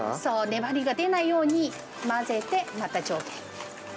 粘りが出ないように混ぜて、また上下に。